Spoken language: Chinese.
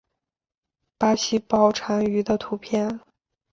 巴西豹蟾鱼的图片